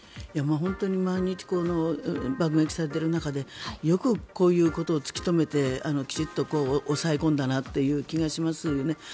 本当に毎日、爆撃されている中でよくこういうことを突き止めてきちんと抑え込んだなという気がしますよね。